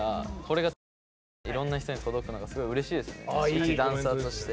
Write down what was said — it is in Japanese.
一ダンサーとして。